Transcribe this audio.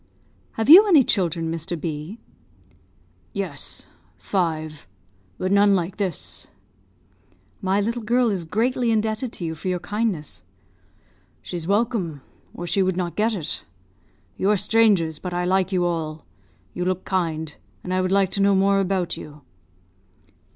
"Have you any children, Mr. B ?" "Yes, five; but none like this." "My little girl is greatly indebted to you for your kindness." "She's welcome, or she would not get it. You are strangers; but I like you all. You look kind, and I would like to know more about you."